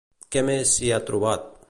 Què més s'hi ha trobat?